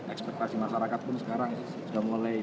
ekspektasi masyarakat pun sekarang sudah mulai